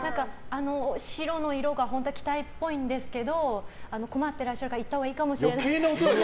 白の色が本当は着たいっぽいんですけど困っていらっしゃるから行ったほうがいいかもしれない。